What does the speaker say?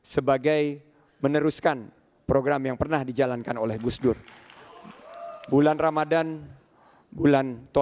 sebagai meneruskan program yang pernah dijalankan oleh buku buku kita